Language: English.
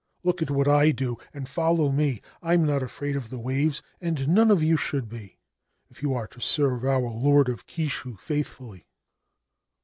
Look at what I do and follow me. I am not afraid of the waves, and none of you should be if you are to serve our Lord of Kishu faithfully.'